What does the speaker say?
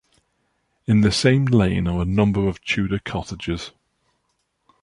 In the same lane are a number of Tudor cottages.